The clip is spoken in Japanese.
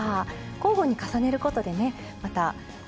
交互に重ねることでねまたえ